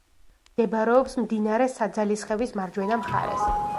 მდებარეობს მდინარე საძალიხევის მარჯვენა მხარეს.